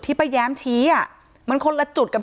ที่มีข่าวเรื่องน้องหายตัว